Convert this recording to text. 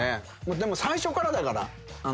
でも最初からだから。